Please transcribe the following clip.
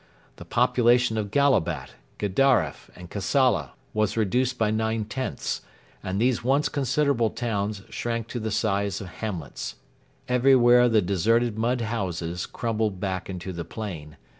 The population of Gallabat, Gedaref, and Kassala was reduced by nine tenths, and these once considerable towns shrank to the size of hamlets. Everywhere the deserted mud houses crumbled back into the plain.